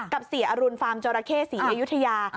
กับเสียอรุณฟาร์มจอราเข้ศรีอยุธยา